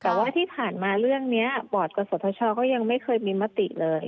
แต่ว่าที่ผ่านมาเรื่องนี้บอร์ดกศธชก็ยังไม่เคยมีมติเลย